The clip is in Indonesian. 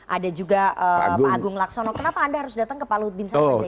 ada juga pak agung laksono kenapa anda harus datang ke pak luhut bin syahid